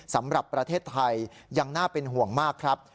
สำหรับประเทศไทยยังน่าเป็นห่วงมากครับ